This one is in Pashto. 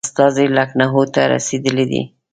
استازی لکنهو ته رسېدلی دی.